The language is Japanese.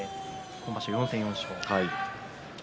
今場所４戦４勝です。